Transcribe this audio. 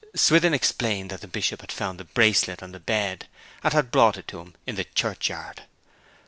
Swithin explained that the Bishop had found the bracelet on the bed, and had brought it to him in the churchyard.